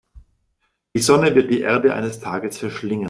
Die Sonne wird die Erde eines Tages verschlingen.